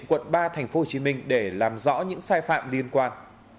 quận ba tp hcm để làm rõ những sai phạm liên quan